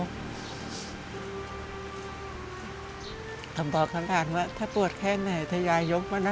บอกข้างหลังว่าถ้าปวดแค่ไหนถ้ายายยกมานะ